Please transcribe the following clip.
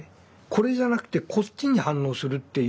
これじゃなくてこっちに反応するっていう。